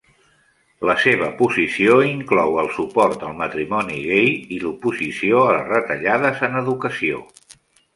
La seva posició inclou el suport al matrimoni gai i l'oposició a les retallades en educació.